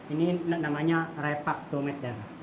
ini namanya repaktometer